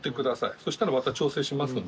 そしたらまた調整しますんで。